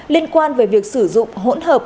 liên quan về việc sử dụng hỗn hợp